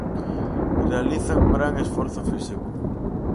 Realizan un gran esforzo físico.